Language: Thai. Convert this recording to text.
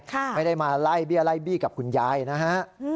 ไม่ได้มาไล่เบี้ยไล่บี้กับคุณยายนะฮะ